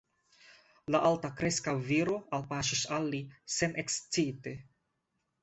La altakreska viro alpaŝis al li senekscite.